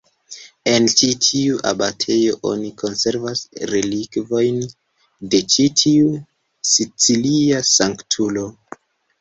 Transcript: En ĉi tiu abatejo oni konservas relikvojn de ĉi tiu sicilia sanktulo.